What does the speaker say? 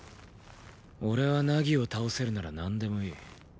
俺は凪を倒せるならなんでもいい。